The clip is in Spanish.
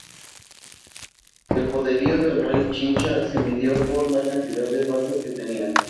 El poderío del rey Chincha, se midió por la cantidad de balsas que tenía.